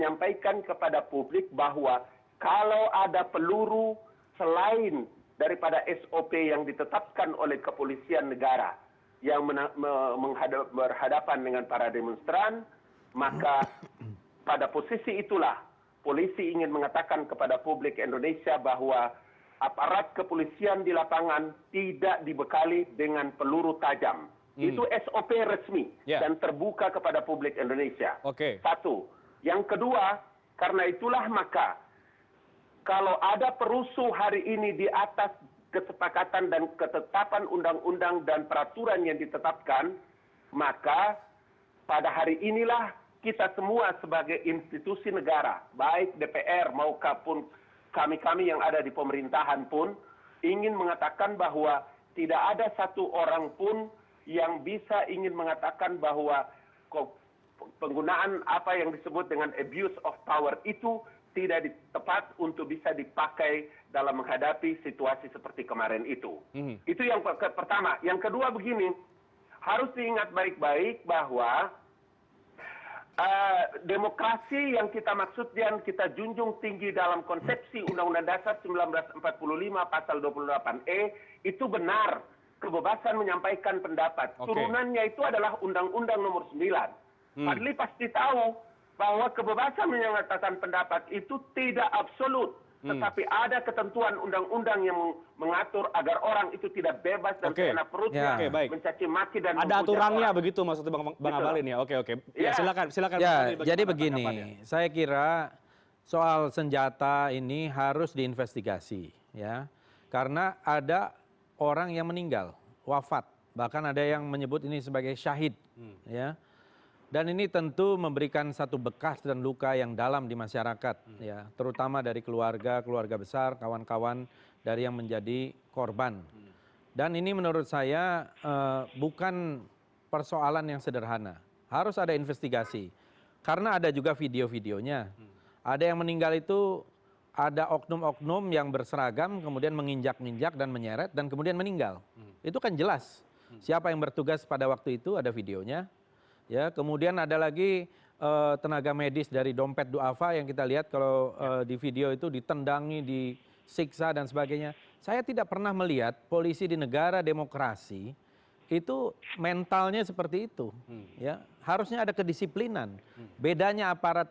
masa yang kita tidak tahu jelas dari mana kemudian melakukan sesuka hati berkali kali aparat kepolisian mendorong untuk mundur jangan memprovokasi kita sudah selesai dan seterusnya dan seterusnya